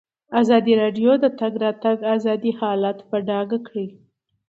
ازادي راډیو د د تګ راتګ ازادي حالت په ډاګه کړی.